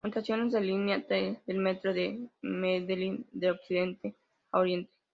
Estaciones de la Linea T-A del Metro de Medellín de occidente a oriente.